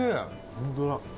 本当だ。